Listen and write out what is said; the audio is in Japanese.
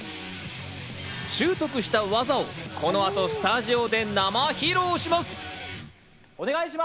習得した技をこの後、スタジオで生披露します！